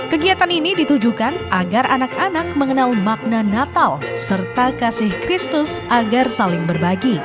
kegiatan ini ditujukan agar anak anak mengenal makna natal serta kasih kristus agar saling berbagi